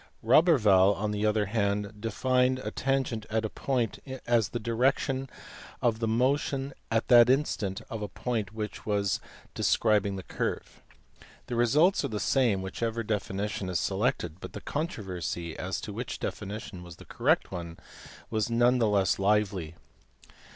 Roberval on the other hand defined a tangent at a point as the direction of motion at that instant of a point which was describing the curve. The results are the same whichever definition is selected, but the controversy as to which definition was the correct one was none the less lively.